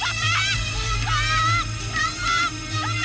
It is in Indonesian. bagus banget pak bajunya